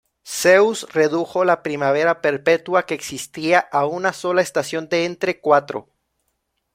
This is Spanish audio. Zeus redujo la primavera perpetua que existía a una sola estación de entre cuatro.